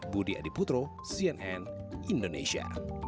budi adiputro cnn indonesia